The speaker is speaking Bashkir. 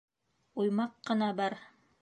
—Уймаҡ ҡына бар.